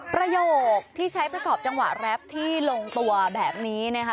ประโยคที่ใช้ประกอบจังหวะแรปที่ลงตัวแบบนี้นะคะ